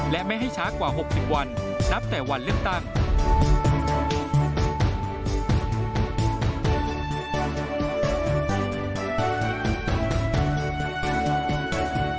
และไม่ให้ช้ากว่า๖๐วันนับแต่วันเลือกตั้ง